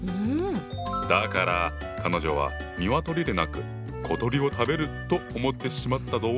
だから彼女は鶏でなく小鳥を食べると思ってしまったぞ。